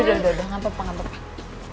udah udah ngantuk pak